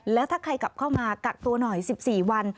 แล้วถ้าใครกลับเข้ามากักตัวหน่อย๑๔วัน